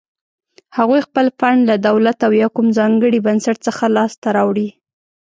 هغوی خپل فنډ له دولت او یا کوم ځانګړي بنسټ څخه لاس ته راوړي.